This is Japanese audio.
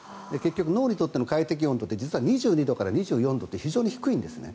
脳にとっての快適温度って実は２２度から２４度って非常に低いんですね。